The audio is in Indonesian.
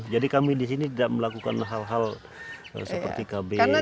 jadi kami di sini tidak melakukan hal hal seperti kb